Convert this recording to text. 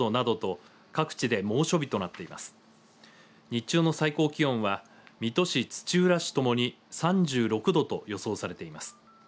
日中の最高気温は水戸市、土浦市ともに３６度と予想されています。